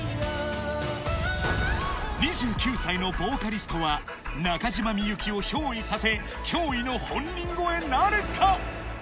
２９歳のボーカリストは中島みゆきを憑依させ驚異の本人超えなるか？